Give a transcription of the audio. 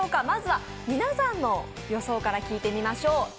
まずは皆さんの予想から聞いてみましょう。